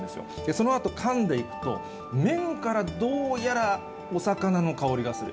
そのあとかんでいくと、麺からどうやらお魚の香りがする。